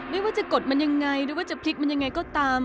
ไม่ว่าจะกดมันยังไงหรือว่าจะพลิกมันยังไงก็ตาม